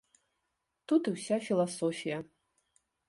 Тут і ўся філасофія.